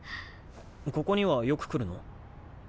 ここにはよく来るの？